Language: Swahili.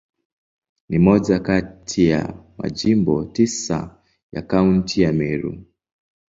Ni moja kati ya Majimbo tisa ya Kaunti ya Meru.